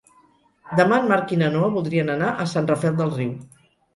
Demà en Marc i na Noa voldrien anar a Sant Rafel del Riu.